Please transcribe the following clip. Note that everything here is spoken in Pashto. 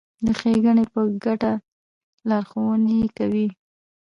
د ښېګڼې په ګټه لارښوونې کوي.